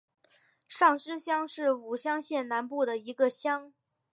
上司乡是武乡县南部的一个乡。